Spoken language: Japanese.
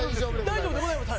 大丈夫でございます。